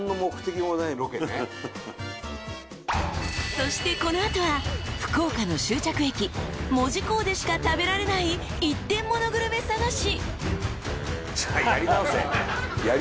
［そしてこの後は福岡の終着駅門司港でしか食べられない一点モノグルメ探し］